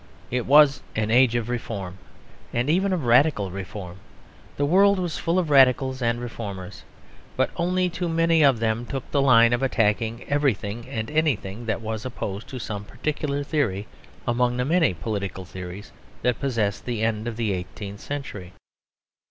It was an age of reform, and even of radical reform; the world was full of radicals and reformers; but only too many of them took the line of attacking everything and anything that was opposed to some particular theory among the many political theories that possessed the end of the eighteenth century.